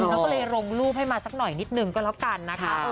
แล้วไปรงรูปให้มาสักหน่อยนิดนึงก็แล้วกันนะคะ